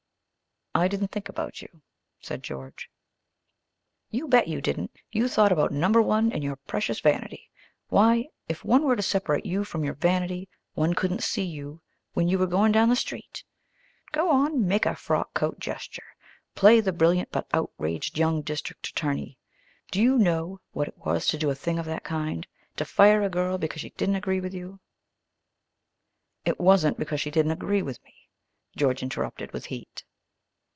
"I didn't think about you," said George. "You bet you didn't. You thought about number one and your precious vanity. Why, if one were to separate you from your vanity, one couldn't see you when you were going down the street. Go on, make a frock coat gesture! Play the brilliant but outraged young district attorney. Do you know what it was to do a thing of that kind to fire a girl because she didn't agree with you?" "It wasn't because she didn't agree with me," George interrupted, with heat.